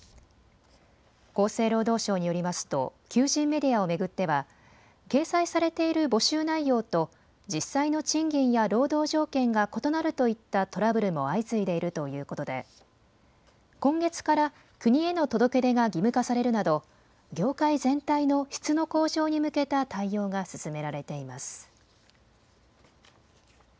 厚生労働省によりますと求人メディアを巡っては掲載されている募集内容と実際の賃金や労働条件が異なるといったトラブルも相次いでいるということで、今月から国への届け出が義務化されるなど業界全体の質の向上に向けた対応が進められています。